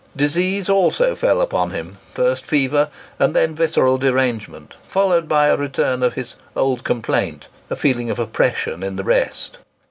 Disease also fell upon him,—first fever, and then visceral derangement, followed by a return of his "old complaint, a feeling of oppression in the breast."